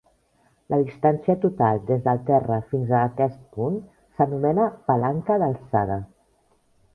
La distància total des del terra fins a aquest punt s'anomena palanca d'alçada.